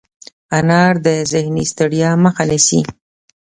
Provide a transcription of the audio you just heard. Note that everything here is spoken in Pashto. انار د ذهني ستړیا مخه نیسي.